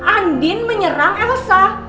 andin menyerang elsa